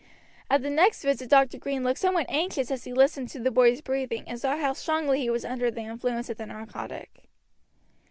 At the next visit Dr. Green looked somewhat anxious as he listened to the boy's breathing and saw how strongly he was under the influence of the narcotic.